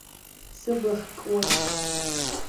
Сыбла хкуеит.